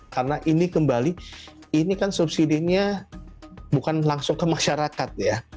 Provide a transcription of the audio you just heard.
karena ini kembali ini kan subsidi nya bukan langsung ke masyarakat ya